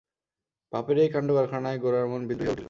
বাপের এই কাণ্ডকারখানায় গোরার মন বিদ্রোহী হইয়া উঠিল।